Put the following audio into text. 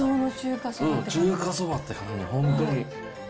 中華そばって感じ、本当に。